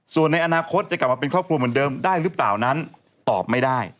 ส่วนในอนาคตจะกลับมาเป็นครอบครัวเหมือนเดิมได้หรือเปล่านั้นตอบไม่ได้